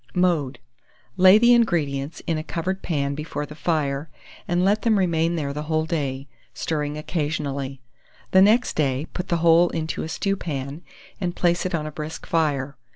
Mode. Lay the ingredients in a covered pan before the fire, and let them remain there the whole day, stirring occasionally. The next day put the whole into a stewpan, and place it on a brisk fire.